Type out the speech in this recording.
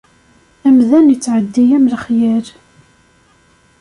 Amdan ittɛeddi am lexyal.